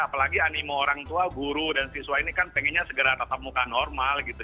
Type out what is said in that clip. apalagi animo orang tua guru dan siswa ini kan pengennya segera tetap muka normal gitu